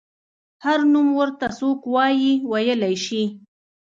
هر نوم ورته څوک وايي ویلی شي.